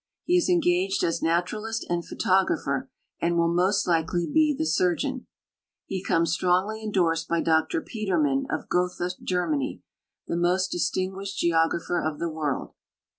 He is engaged as naturalist and photographer, and will most likely he the surgeon. He comes strongly endorsed by Dr Peterman, of Gotha, Germany, the most distinguished geographer of the world.